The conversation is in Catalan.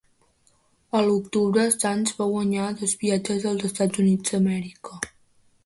A l'octubre Sands va guanyar dos viatges als Estats Units d'Amèrica.